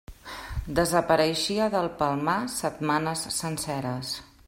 Desapareixia del Palmar setmanes senceres.